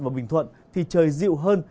và bình thuận thì trời dịu hơn